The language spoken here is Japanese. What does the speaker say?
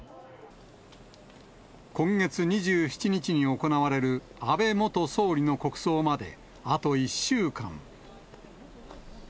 今月２７日に行われる安倍元総理の国葬まで、あと１週間。